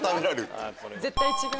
絶対違う。